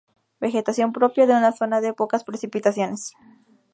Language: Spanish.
Vegetación propia de una zona de pocas precipitaciones.